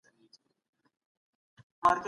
شاه امان الله خان د افغانستان لپاره مبارزه وکړه.